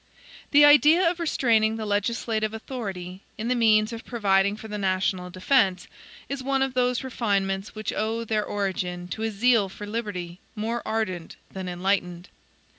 The idea of restraining the legislative authority, in the means of providing for the national defense, is one of those refinements which owe their origin to a zeal for liberty more ardent than enlightened.